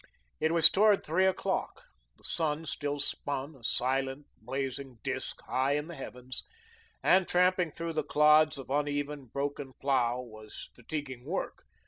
It was toward three o'clock. The sun still spun, a silent, blazing disc, high in the heavens, and tramping through the clods of uneven, broken plough was fatiguing work.